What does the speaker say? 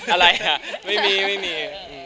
อะไรอ่ะไม่มีไม่มี